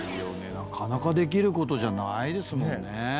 なかなかできることじゃないですもんね。